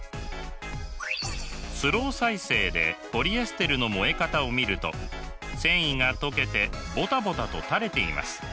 スロー再生でポリエステルの燃え方を見ると繊維が溶けてボタボタとたれています。